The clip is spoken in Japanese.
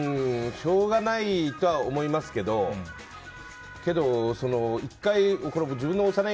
しょうがないとは思いますけどけど１回、自分の幼い話